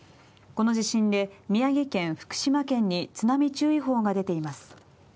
この地震で宮城県福島県に津波注意報が出ています。